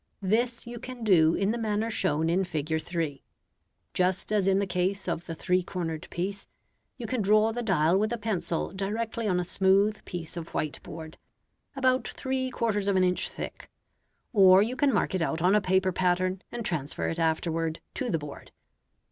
This you can do in the manner shown in Fig. 3. Just as in the case of the three cornered piece, you can draw the dial with a pencil directly on a smooth piece of white board, about three quarters of an inch thick, or you can mark it out on a paper pattern and transfer it afterward to the board.